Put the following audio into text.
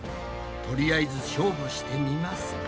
とりあえず勝負してみますか。